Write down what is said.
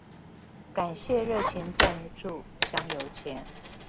感謝熱情贊助香油錢